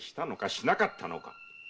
しなかったのか？